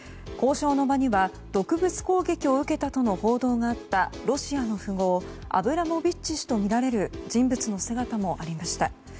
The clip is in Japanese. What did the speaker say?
交渉の場には毒物攻撃を受けたとの報道があったロシアの富豪アブラモビッチ氏とみられる人物の姿もありました。